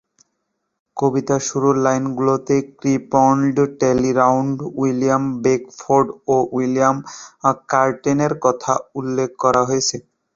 কবিতার শুরুর লাইনগুলোতে "ক্রিপল্ড ট্যালিরান্ড", উইলিয়াম বেকফোর্ড এবং উইলিয়াম কারটেনের কথা উল্লেখ করা হয়েছে।